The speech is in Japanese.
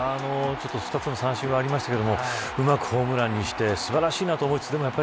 ２つの三振はありましたがうまくホームランにして素晴らしいなと思います。